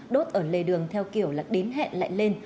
đốt ở lề đường theo kiểu đếm hẹn lại lên